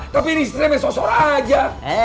tapi ini istrinya mesosor aja